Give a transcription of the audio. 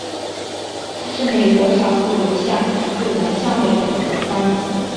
它是美国少数流向自南向北的河川。